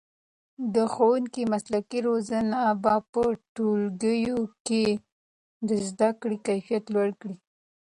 د ښوونکو مسلکي روزنه به په ټولګیو کې د زده کړې کیفیت لوړ کړي.